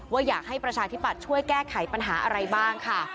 ว่าอยากให้ประชาธิปัตย์ช่วยแก้ไขปัญหาอะไรบ้างค่ะ